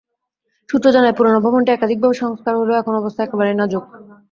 সূত্র জানায়, পুরোনো ভবনটি একাধিকবার সংস্কার করা হলেও এখন অবস্থা একেবারেই নাজুক।